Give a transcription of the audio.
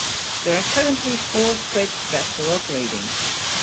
There are currently four "Priz" vessels operating.